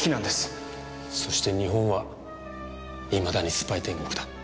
そして日本はいまだにスパイ天国だ。